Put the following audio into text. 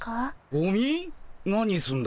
ゴミ？何すんだ？